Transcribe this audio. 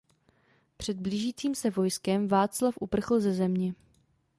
Před blížícím se vojskem Václav uprchl ze země.